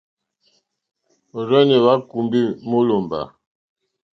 Òrzìɲɛ́ hwá kùmbè mólòmbá.